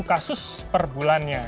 kasus per bulannya